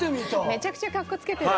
めちゃくちゃかっこつけてる。